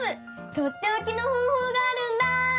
とっておきのほうほうがあるんだ。